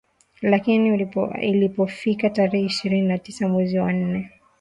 lakini ilipofika tarehe ishirini na tisa mwezi wa nne